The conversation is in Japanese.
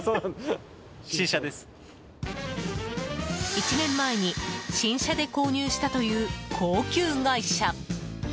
１年前に新車で購入したという高級外車。